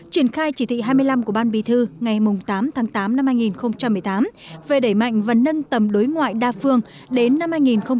triển khai chỉ thị hai mươi năm của ban bì thư ngày tám tháng tám năm hai nghìn một mươi tám về đẩy mạnh và nâng tầm đối ngoại đa phương đến năm hai nghìn hai mươi